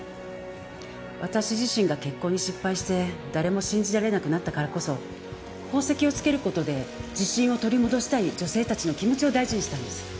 私自身が結婚に失敗して誰も信じられなくなったからこそ宝石をつける事で自信を取り戻したい女性たちの気持ちを大事にしたんです。